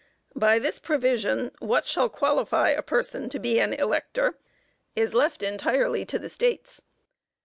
By this provision, what shall qualify a person to be an elector, is left entirely to the States.